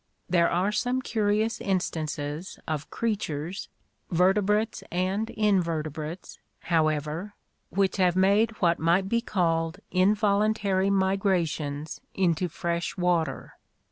There are some curious instances of creatures, vertebrates and invertebrates, however, which have made what might be called involuntary migrations into fresh water.